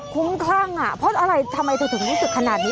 คุ้มคลั่งอ่ะเพราะอะไรทำไมเธอถึงรู้สึกขนาดนี้